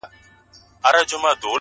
ستا د يادونو فلسفې ليكلي؛